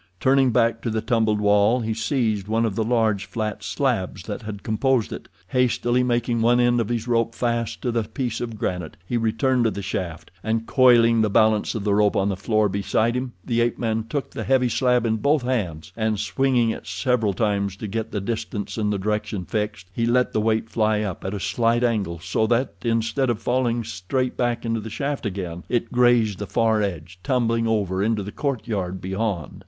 Turning back to the tumbled wall, he seized one of the large, flat slabs that had composed it. Hastily making one end of his rope fast to the piece of granite, he returned to the shaft, and, coiling the balance of the rope on the floor beside him, the ape man took the heavy slab in both hands, and, swinging it several times to get the distance and the direction fixed, he let the weight fly up at a slight angle, so that, instead of falling straight back into the shaft again, it grazed the far edge, tumbling over into the court beyond.